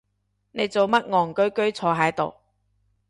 你做乜戇居居坐係度？